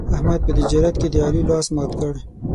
احمد په تجارت کې د علي لاس مات کړ.